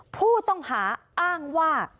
ผู้ต้องหาอ้างว่า